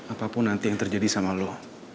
apapun nanti yang terjadi sama allah